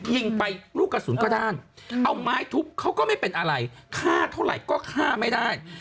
ยิงไปลูกกระสุนก็ด้านเอาไม้ทุบเขาก็ไม่เป็นอะไรฆ่าเท่าไหร่ก็ฆ่าไม่ได้